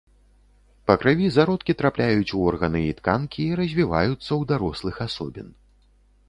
Па крыві зародкі трапляюць у органы і тканкі і развіваюцца ў дарослых асобін.